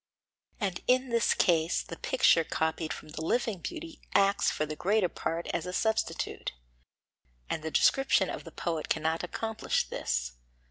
And in this case the picture copied from the living beauty acts for the greater part as a substitute; and the description of the poet cannot accomplish this.